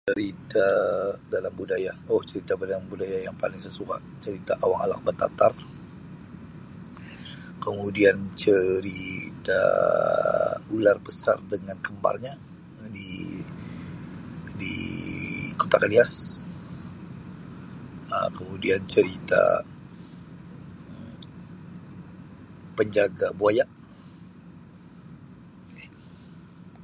Erita dalam budaya. Oh, cerita dalam budaya yang paling saya suka cerita Awang Alak Betatar. Kemudian cerita ular besar dengan kembarnya di- di Kota Klias. Um Kemudian cerita Um penjaga buaya.